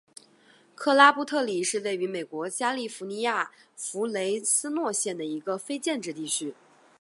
克拉布特里是位于美国加利福尼亚州弗雷斯诺县的一个非建制地区。